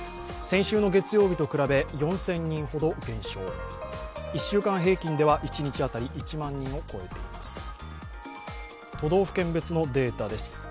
先週の月曜日と比べ、４０００人ほど減少、１週間平均では一日当たり１万人を超えています。